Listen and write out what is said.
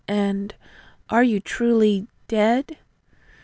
And "Are you truly ... DEAD?"